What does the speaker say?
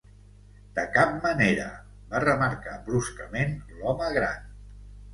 "De cap manera", va remarcar bruscament l'home gran.